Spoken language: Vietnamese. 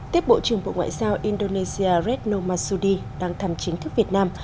tiếp bộ trưởng bộ ngoại giao indonesia retno masudi đang thăm chính thức việt nam